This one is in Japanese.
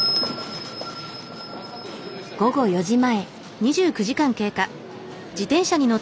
午後４時前。